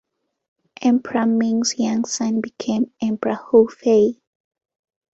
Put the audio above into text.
Emperor Ming's young son became Emperor Houfei.